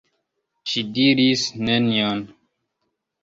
Ŝi diris nenion.